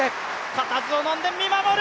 固唾をのんで見守る！